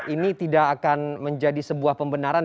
ini tidak akan menjadi sebuah pembenaran